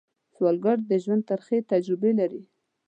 سوالګر د ژوند ترخې تجربې لري